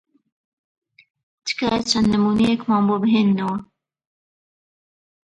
تکایە چەند نموونەیەکمان بۆ بهێننەوە.